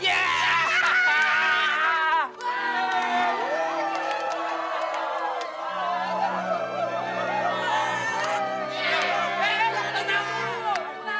eh tenang dulu